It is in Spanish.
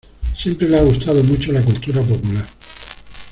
Siempre le ha gustado mucho la cultura popular.